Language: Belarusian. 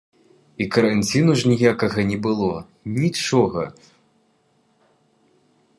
І каранціну ж ніякага не было, нічога.